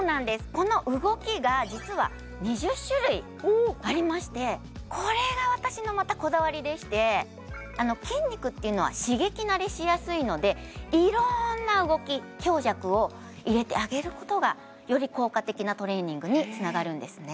この動きが実は２０種類ありましてこれが私のまたこだわりでして筋肉っていうのは刺激慣れしやすいのでいろんな動き強弱を入れてあげることがより効果的なトレーニングにつながるんですね